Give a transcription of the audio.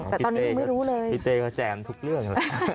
แต่ตอนนี้ยังไม่รู้เลยพี่เต้ก็แจมทุกเรื่อง